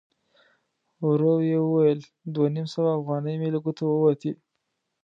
ورو يې وویل: دوه نيم سوه اوغانۍ مې له ګوتو ووتې!